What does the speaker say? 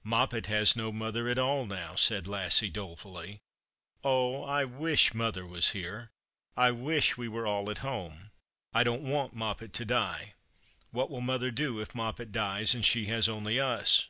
" Moppet has no mother at all now," said Lassie, dole fully. " Oh, I wish mother was here ! I wish we were all at home. I don't want Moppet to die. What will mother do if Moppet dies, and she has only us